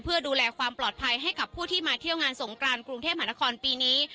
เพื่อดูแลความปลอดภัยให้กับผู้ที่มาเที่ยวงานสงกรานกรุงเทพมหานครปีนี้